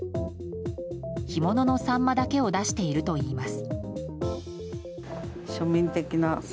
干物のサンマだけを出しているといいます。